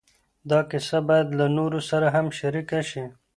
دا کیسه باید له نورو سره هم شریکه شي.